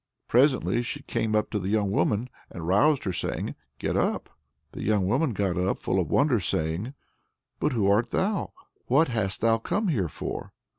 Presently she came up to the young woman, and roused her, saying, "Get up!" The young woman got up, full of wonder, saying: "But who art thou? What hast thou come here for?"